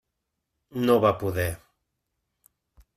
No va poder.